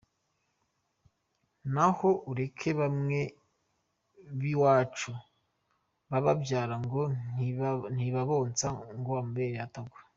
Naho ureke bamwe b’iwacu bababyara ngo ntibabonsa kgo amabere atagwa.